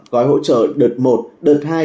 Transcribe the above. gói hỗ trợ đợt một đợt hai